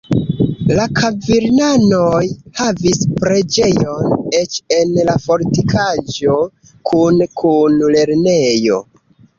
La kalvinanoj havis preĝejon eĉ en la fortikaĵo kune kun lernejo.